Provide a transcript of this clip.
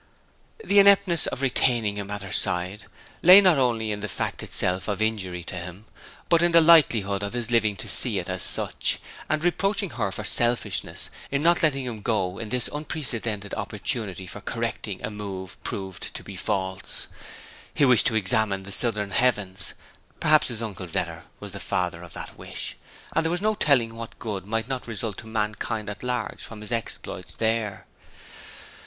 The ineptness of retaining him at her side lay not only in the fact itself of injury to him, but in the likelihood of his living to see it as such, and reproaching her for selfishness in not letting him go in this unprecedented opportunity for correcting a move proved to be false. He wished to examine the southern heavens perhaps his uncle's letter was the father of the wish and there was no telling what good might not result to mankind at large from his exploits there.